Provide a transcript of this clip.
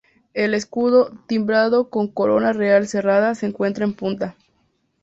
El escudo, timbrado con corona real cerrada, se encuentra en punta.